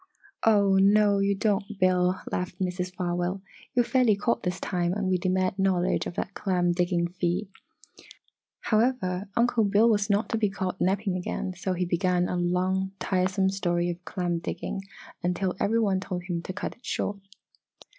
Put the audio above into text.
"Oh, no, you don't, Bill!" laughed Mrs. Farwell. "You're fairly caught this time and we demand knowledge of that clam digging feat!" However, Uncle Bill was not to be caught napping again, so he began a long, tiresome story of clam digging until every one told him to "cut it short!"